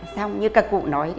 xong như cả cụ nói